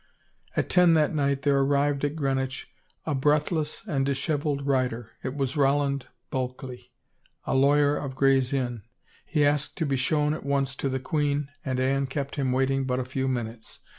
... At ten that night there arrived at Greenwich a breath less and disheveled rider. It was Roland Bulkley, a lawyer of Gray's Inn. He asked to be shown at once to the queen and Anne kept him waiting but a few min utes.